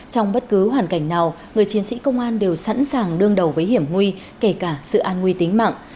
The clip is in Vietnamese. trong bất cứ hoàn cảnh nào người chiến sĩ công an đều sẵn sàng đương đầu với hiểm nguy kể cả sự an nguy tính mạng